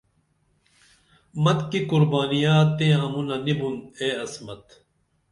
متِکی قربانیہ تئیں امونہ نی بُون اے عصمت